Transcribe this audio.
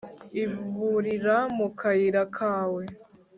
Iburira Mu kayira kawe